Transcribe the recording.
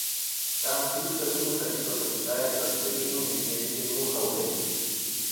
Там крыса вынюхать что-то пытается своей милицейской нюхалкой.